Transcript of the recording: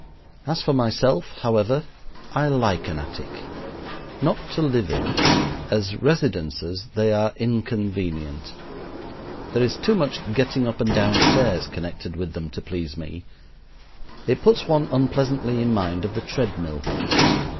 As for myself, however, I like an attic. Not to live in: as residences they are inconvenient. There is too much getting up and down stairs connected with them to please me. It puts one unpleasantly in mind of the tread mill.